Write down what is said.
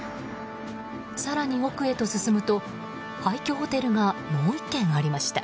更に奥へと進むと廃虚ホテルがもう１軒ありました。